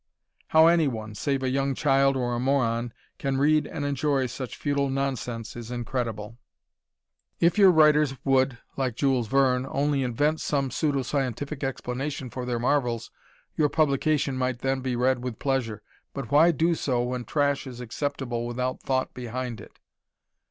How anyone, save a young child or a moron, can read and enjoy such futile nonsense is incredible. If your writers would (like Jules Verne) only invent some pseudo scientific explanation for their marvels, your publication might then be read with pleasure but why do so when trash is acceptable without thought behind it!